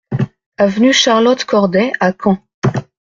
Avenue Charlotte Corday à Caen